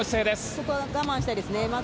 ここは我慢したいですね。